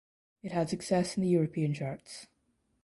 It had success in the European charts.